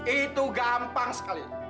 itu gampang sekali